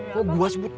kok gue sebut